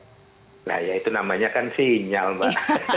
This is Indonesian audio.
nah ya itu namanya kan sinyal mbak